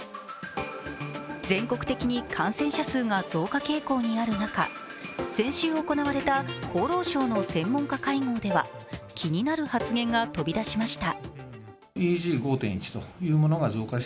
全国的に感染者数が増加傾向にある中、先週行われた厚労省の専門家会合では気になる発言が飛び出しました。